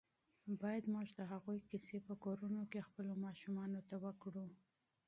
باید موږ د هغوی کیسې په کورونو کې خپلو ماشومانو ته وکړو.